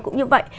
cũng như vậy